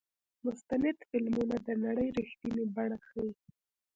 مستند فلمونه د نړۍ رښتینې بڼه ښيي.